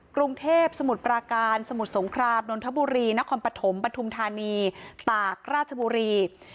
กรุงเทพสมุทรปราการสมุทรสงครามนนทบุรีนครปฐมปฐุมธานีตากราชบุรี